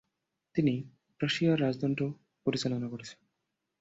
তিনি প্রাশিয়ার রাজদণ্ড পরিচালনা করছেন।